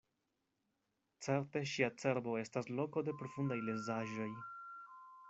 Certe ŝia cerbo estas loko de profundaj lezaĵoj.